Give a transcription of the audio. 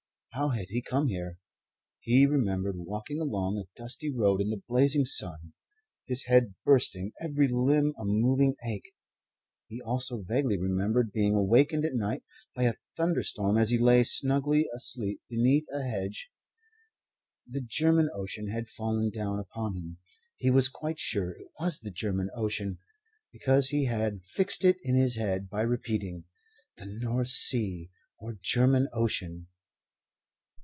How had he come here? He remembered walking along a dusty road in the blazing sun, his head bursting, every limb a moving ache. He also vaguely remembered being awakened at night by a thunder storm as he lay snugly asleep beneath a hedge. The German Ocean had fallen down upon him. He was quite sure it was the German Ocean, because he had fixed it in his head by repeating "the North Sea or German Ocean."